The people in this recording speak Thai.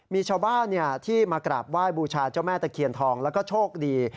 มีชาวบ้านที่มากราบไหว้บูชาเจ้าแม่ตะเคียนทองแล้วก็โชคดี